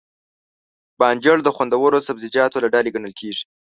توربانجان د خوندورو سبزيجاتو له ډلې ګڼل کېږي.